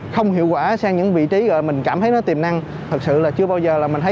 không hiệu quả sang những vị trí rồi mình cảm thấy nó tiềm năng thật sự là chưa bao giờ là mình thấy